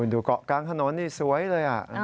ดูเกาะกลางถนนนี่สวยเลย